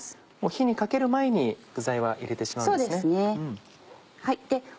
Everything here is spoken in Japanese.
火にかける前に具材は入れてしまうんですね。